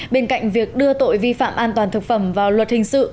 bên cạnh việc đưa tội vi phạm an toàn thực phẩm vào luật hình sự